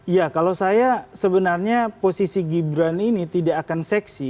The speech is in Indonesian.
ya kalau saya sebenarnya posisi gibran ini tidak akan seksi